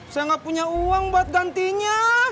saya nggak punya uang buat gantinya